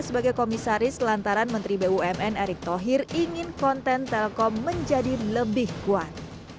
sebagai komisaris lantaran menteri bumn erick thohir ingin konten telkom menjadi lebih kuat